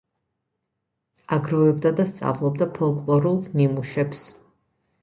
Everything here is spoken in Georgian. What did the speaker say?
აგროვებდა და სწავლობდა ფოლკლორულ ნიმუშებს.